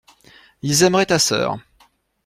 Ils aimeraient ta sœur.